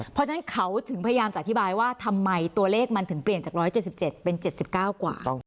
เพราะฉะนั้นเขาถึงพยายามจะอธิบายว่าทำไมตัวเลขมันถึงเปลี่ยนจาก๑๗๗เป็น๗๙กว่า